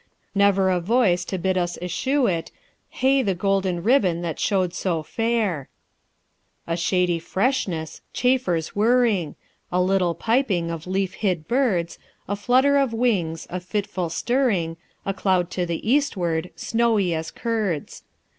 Never a voice to bid us eschew it; Hey the green ribbon that showed so fair! "A shady freshness, chafers whirring, A little piping of leaf hid birds; A flutter of wings, a fitful stirring, A cloud to the eastward, snowy as curds.